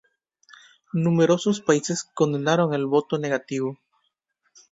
Numerosos países condenaron el voto negativo.